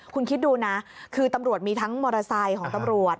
คุณคิดดูนะคือตำรวจมีทั้งมอเตอร์ไซค์ของตำรวจ